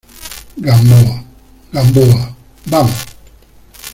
Gamboa, Gamboa , vamos.